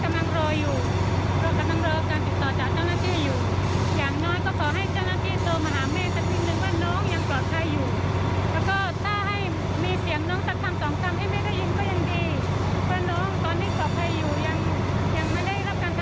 แม่ก็ขอแค่นั้นแหละค่ะ